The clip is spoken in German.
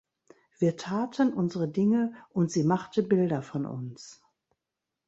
Wir taten unsere Dinge und sie machte Bilder von uns.